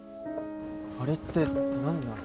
あれって何なの？